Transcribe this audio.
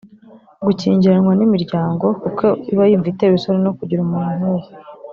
gukingiranwa n’imiryango kuko iba yumva itewe isoni no kugira umuntu nk’uwo